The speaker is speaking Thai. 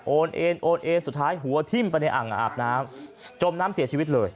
เอนโอนเอนสุดท้ายหัวทิ้มไปในอ่างอาบน้ำจมน้ำเสียชีวิตเลย